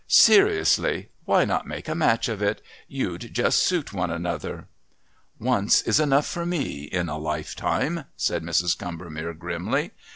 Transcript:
Seriously, why not make a match of it? You'd just suit one another." "Once is enough for me in a life time," said Mrs. Combermere grimly.